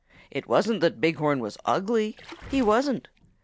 It wasn't that Big Horn was ugly. He wasn't.